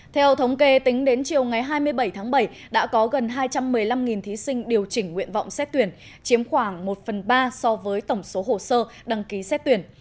theo thống kê tính đến chiều ngày hai mươi bảy tháng bảy đã có gần hai trăm một mươi năm thí sinh điều chỉnh nguyện vọng xét tuyển chiếm khoảng một phần ba so với tổng số hồ sơ đăng ký xét tuyển